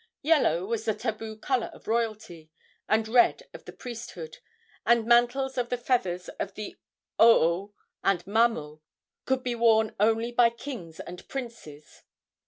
Yellow was the tabu color of royalty, and red of the priesthood, and mantles of the feathers of the oo and mamo could be worn only by kings and princes.